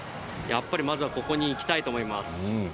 やっぱりまずはここに行きたいと思います。